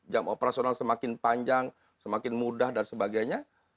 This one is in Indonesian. jam operasional semakin panjang semakin mudah dan sebagainya